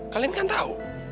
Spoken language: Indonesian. kalian kan tau